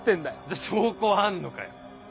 じゃあ証拠はあんのかよ？